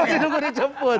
masih nunggu dijemput